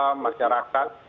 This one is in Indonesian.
guru mahasiswa masyarakat